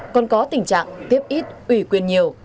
còn có tình trạng tiếp ít ủy quyền nhiều